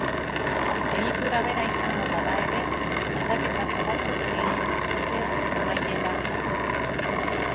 Egitura bera izango bada ere, aldaketatxo batzuk egingo dituzte amaiera aldera.